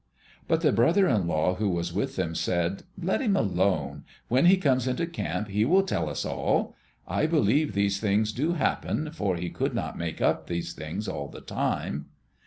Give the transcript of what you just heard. But the brother in law who was with them said, "Let him alone. When he comes into camp he will tell us all. I believe these things do happen for he could not make up these things all the time."